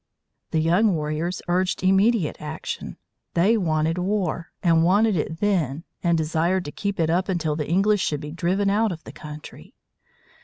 The young warriors urged immediate action. They wanted war, and wanted it then, and desired to keep it up until the English should be driven out of the country.